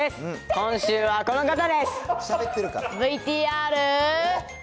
今週はこの方です。